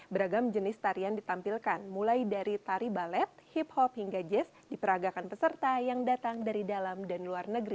beragam jenis tarian ditampilkan mulai dari tari balet hip hop hingga jazz diperagakan peserta yang datang dari dalam dan luar negeri